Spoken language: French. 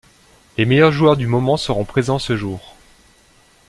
Les meilleurs joueurs du moment seront présents ce jour.